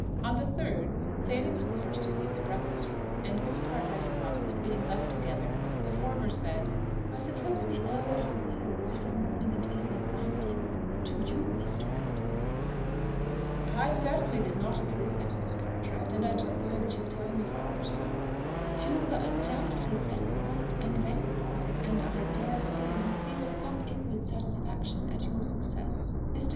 On the third, Fanny was the first to leave the breakfast room; and Miss Cartwright and Rosalind being left together, the former said, "I suppose we owe our repose from morning and evening ranting to you, Miss Torrington?" "I certainly did not approve it, Miss Cartwright, and I took the liberty of telling your father so." "You were undoubtedly very right and very wise, and I dare say you feel some inward satisfaction at your success. Mr.